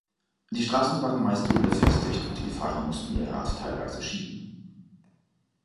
Die Straßen waren meist unbefestigt und die Fahrer mussten ihr Rad teilweise schieben.